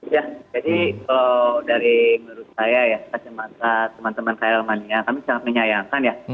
ya jadi kalau dari menurut saya ya kacamata teman teman klmania kami sangat menyayangkan ya